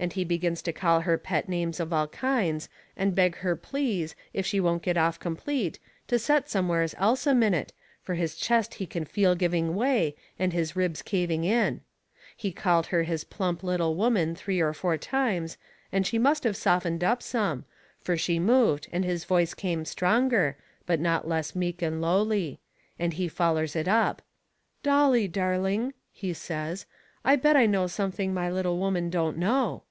And he begins to call her pet names of all kinds and beg her please, if she won't get off complete, to set somewheres else a minute, fur his chest he can feel giving way, and his ribs caving in. He called her his plump little woman three or four times and she must of softened up some, fur she moved and his voice come stronger, but not less meek and lowly. And he follers it up: "Dolly, darling," he says, "I bet I know something my little woman don't know."